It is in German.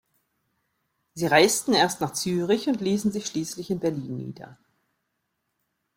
Sie reisten erst nach Zürich und ließen sich schließlich in Berlin nieder.